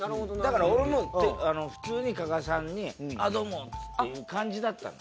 だから俺も普通に加賀さんに「あっどうも！」っつって感じだったの。